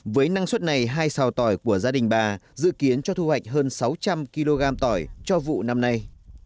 với năng suất này hai xào tỏi của gia đình bà dự kiến cho thu hoạch hơn sáu trăm linh kg tỏi cho vụ năm nay